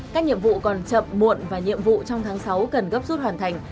các nhiệm vụ còn chậm muộn và nhiệm vụ trong tháng sáu cần gấp rút hoàn thành